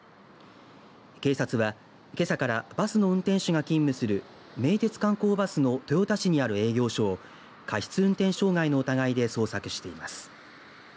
警察は、けさからバスの運転手が勤務する名鉄観光バスの豊田市にある営業所を過失運転傷害の疑いで捜索しています。